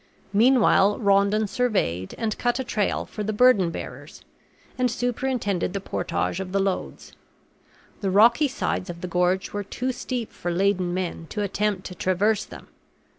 Meanwhile Rondon surveyed and cut a trail for the burden bearers, and superintended the portage of the loads. The rocky sides of the gorge were too steep for laden men to attempt to traverse them.